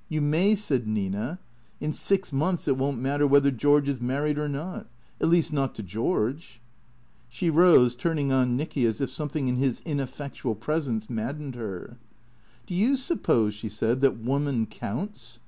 " You may," said Nina. " In six months it won't matter whether George is married or not. At least, not to George." She rose, turning on Nicky as if something in his ineffectual presence maddened her. " Do you suppose," she said, " that woman counts?